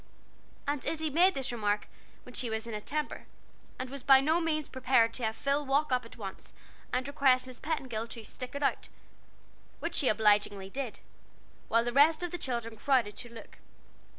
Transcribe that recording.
Aunt Izzie made this remark when she was in a temper, and was by no means prepared to have Phil walk up at once and request Miss Petingill to "stick it out," which she obligingly did; while the rest of the children crowded to look.